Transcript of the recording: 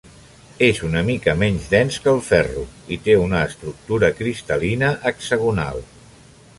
És una mica menys dens que el ferro i té una estructura cristal·lina hexagonal.